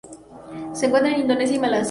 Se encuentran en Indonesia y Malasia.